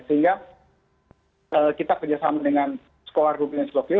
sehingga kita kerjasama dengan sekolah republik indonesia tokyo